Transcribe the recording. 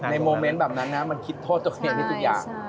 โมเมนต์แบบนั้นนะมันคิดโทษตัวเองได้ทุกอย่าง